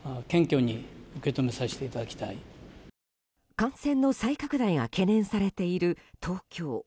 感染の再拡大が懸念されている東京。